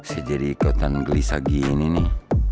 saya jadi ikutan gelisah gini nih